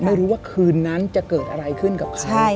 ไม่รู้ว่าคืนนั้นจะเกิดอะไรขึ้นกับใคร